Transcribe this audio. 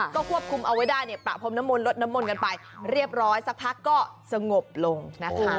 ก็ควบคุมเอาไว้ได้เนี่ยประพรมน้ำมนลดน้ำมนต์กันไปเรียบร้อยสักพักก็สงบลงนะคะ